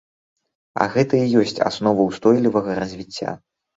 А гэта і ёсць аснова ўстойлівага развіцця!